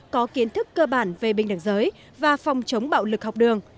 có kiến thức cơ bản về bình đẳng giới và phòng chống bạo lực học đường